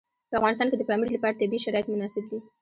په افغانستان کې د پامیر لپاره طبیعي شرایط مناسب دي.